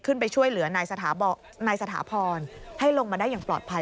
ขึ้นไปช่วยเหลือนายสถาพรให้ลงมาได้อย่างปลอดภัย